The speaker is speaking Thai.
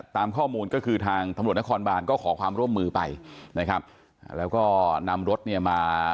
ตามข้อมูลก็คือทางตำรวจนครบานก็ขอความร่วมมือไปนะครับแล้วก็นำรถเนี่ยมา